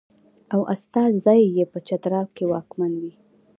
او استازی یې په چترال کې واکمن وي.